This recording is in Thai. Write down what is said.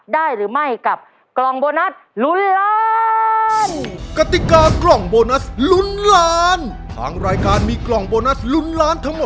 ๑๖๑๖ได้อีก๔กรัมครับ